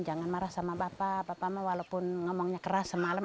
jangan marah sama bapak bapak walaupun ngomongnya keras semalam